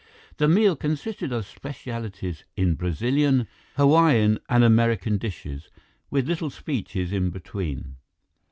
The meal consisted of specialties in Brazilian, Hawaiian, and American dishes, with little speeches in between.